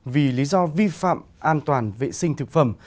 vì lý do vi phạm an toàn vệ sinh thực phẩm